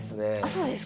そうですか？